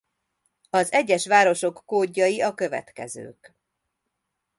Az egyes városok kódjai a következők.